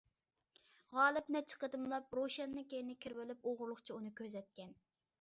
غالىپ نەچچە قېتىملاپ، روشەننىڭ كەينىگە كىرىۋېلىپ، ئوغرىلىقچە ئۇنى كۆزەتكەن.